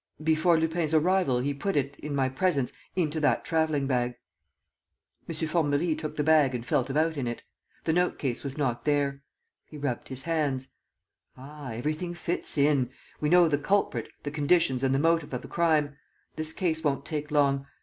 "Before Lupin's arrival, he put it, in my presence, into that travelling bag." M. Formerie took the bag and felt about in it. The note case was not there. He rubbed his hands: "Ah, everything fits in! ... We know the culprit, the conditions and the motive of the crime. This case won't take long.